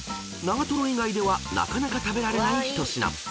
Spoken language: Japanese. ［長瀞以外ではなかなか食べられない一品］